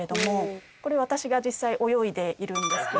これ私が実際泳いでいるんですけれども。